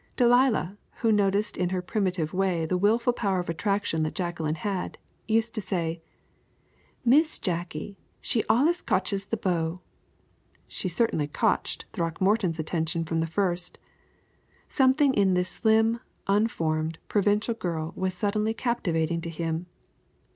Delilah, who noticed in her primitive way the wonderful power of attraction that Jacqueline had, used to say, "Miss Jacky she allus cotches de beaux." She certainly "cotched" Throckmorton's attention from the first. Something in this slim, unformed, provincial girl was suddenly captivating to him.